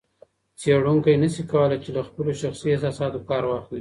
څېړونکی نسي کولای چي له خپلو شخصي احساساتو کار واخلي.